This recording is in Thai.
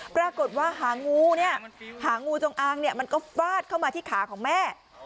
ปรากฏว่าหางูเนี่ยหางูจงอางเนี่ยมันก็ฟาดเข้ามาที่ขาของแม่